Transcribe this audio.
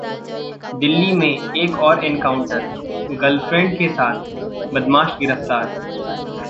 दिल्ली में एक और एनकाउंटर, गर्लफ्रेंड के साथ बदमाश गिरफ्तार